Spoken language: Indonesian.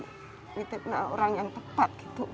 allah titipin orang yang tepat gitu